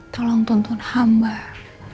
tolong tuntun hambar